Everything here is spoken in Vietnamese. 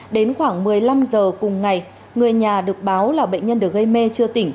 đến khoảng một mươi năm h cùng ngày người nhà được báo là bệnh nhân được gây mê chưa tỉnh